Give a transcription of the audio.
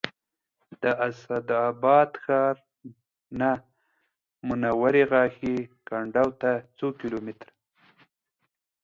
د اسداباد ښار نه منورې غاښي کنډو ته څو کیلو متره